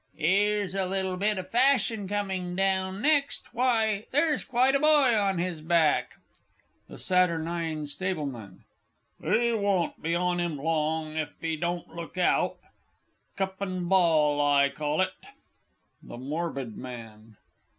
'Ere's a little bit o' fashion coming down next why, there's quite a boy on his back. THE S. S. 'E won't be on 'im long if he don't look out. Cup an ball I call it! THE MORBID MAN.